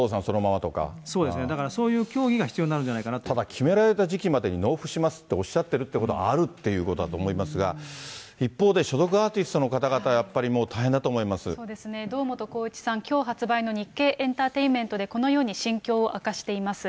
そうですね、そういう協議がただ決められた時期までに納付しますっておっしゃってるってことはあるっていうことだと思いますが、一方で所属アーティストの方々、やっぱりもう大変だと思そうですね、堂本光一さん、きょう発売の、日経エンタテインメント！でこのように心境を明かしています。